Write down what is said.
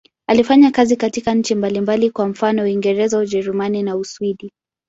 Alifanya kazi katika nchi mbalimbali, kwa mfano Uingereza, Ujerumani na Uswidi.